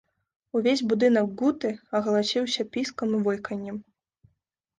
Увесь будынак гуты агаласіўся піскам і войканнем.